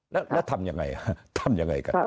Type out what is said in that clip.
แล้วทำยังไงทำยังไงกัน